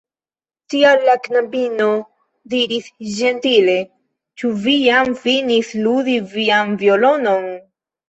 Tiam la knabino diris ĝentile: "Ĉu vi jam finis ludi vian violonon?"